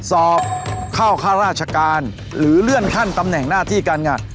สอบเข้าข้าราชการหรือเลื่อนขั้นตำแหน่งหน้าที่การงาน